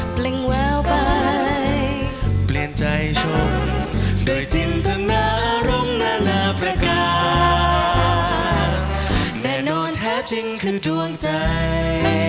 เปลี่ยนแววไปเปลี่ยนใจชมจินตนาอนรมณาพระกาแน่นอนแท้จริงคือด้วงใจ